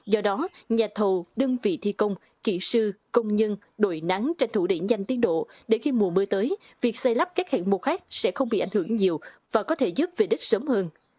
do đó nhà thầu đơn vị thi công kỹ sư công nhân đội nắng tranh thủ đẩy nhanh tiến độ để khi mùa mưa tới việc xây lắp các hạng mục khác sẽ không bị ảnh hưởng nhiều và có thể dứt về đích sớm hơn